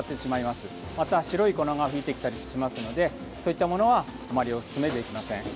また、白い粉が吹いてきたりしますのでそういったものはあまりおすすめできません。